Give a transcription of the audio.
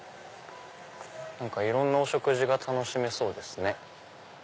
何かいろんなお食事が楽しめそうですね。